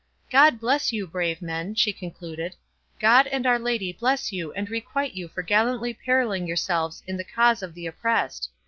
—"God bless you, brave men," she concluded, "God and Our Lady bless you and requite you for gallantly perilling yourselves in the cause of the oppressed!